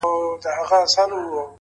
هغه هغه پخوا چي يې شپېلۍ ږغول’